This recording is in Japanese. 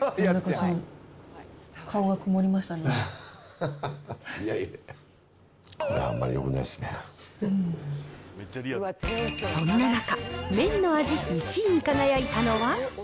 これ、そんな中、麺の味１位に輝いたのは。